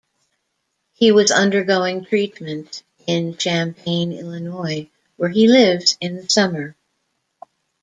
He was undergoing treatment in Champaign, Illinois, where he lives in the summer.